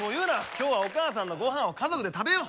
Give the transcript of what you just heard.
今日はお母さんの御飯を家族で食べよう。